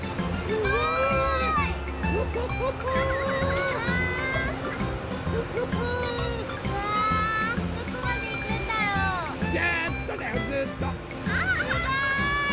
すごい！